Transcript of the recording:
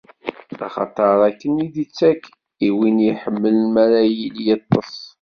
Axaṭer, akken i d-ittak i win i iḥemmel mi ara yili yeṭṭes.